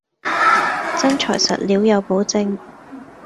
真材實料有保證